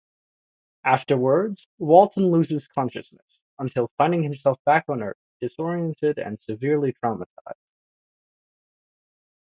Afterwards, Walton loses consciousness until finding himself back on Earth disoriented and severely traumatized.